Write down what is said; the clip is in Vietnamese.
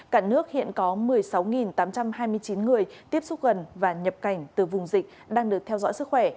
cả nước hiện có một mươi sáu tám trăm hai mươi chín người tiếp xúc gần và nhập cảnh từ vùng dịch đang được theo dõi sức khỏe